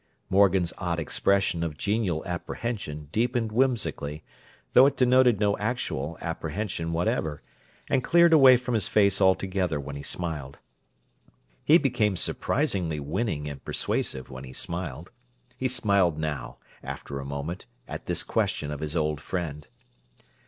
Morgan's odd expression of genial apprehension deepened whimsically, though it denoted no actual apprehension whatever, and cleared away from his face altogether when he smiled; he became surprisingly winning and persuasive when he smiled. He smiled now, after a moment, at this question of his old friend.